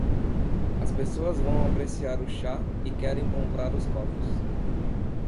As pessoas vão apreciar o chá e querem comprar os copos.